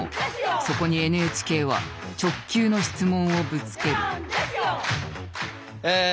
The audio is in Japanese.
そこにＮＨＫは直球の質問をぶつける。